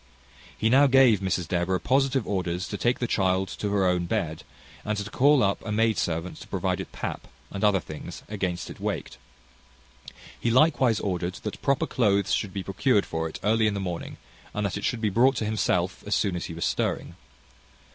He now gave Mrs Deborah positive orders to take the child to her own bed, and to call up a maid servant to provide it pap, and other things, against it waked. He likewise ordered that proper cloathes should be procured for it early in the morning, and that it should be brought to himself as soon as he was stirring.